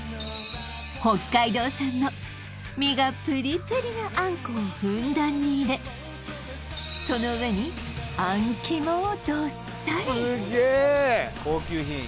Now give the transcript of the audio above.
北海道産の身がプリプリなあんこうをふんだんに入れその上にあん肝をどっさりすっげえ高級品